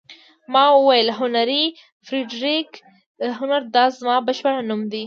ما وویل: هنري، فرېډریک هنري، دا زما بشپړ نوم دی.